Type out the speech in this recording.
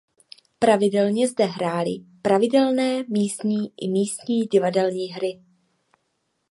Pravidelně zde hráli pravidelné místní i místní divadelní hry.